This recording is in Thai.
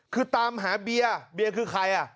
คือตามหาเบียร์เบียร์คือใครอ่ะ